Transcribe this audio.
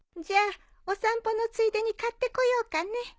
じゃあお散歩のついでに買ってこようかね。